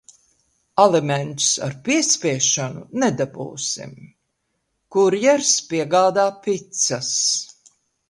Alimentus ar piespiešanu nedabūsim. Kurjers piegādā picas.